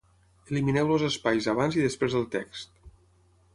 Elimineu els espais abans i després del text.